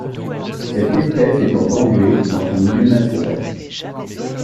Cette espèce est en danger dans son milieu naturel.